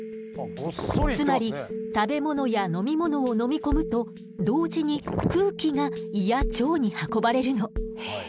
つまり食べ物や飲み物を飲み込むと同時に空気が胃や腸に運ばれるの。